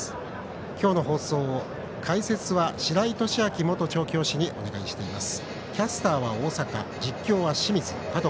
今日の放送、解説は白井寿昭元調教師にお願いしています。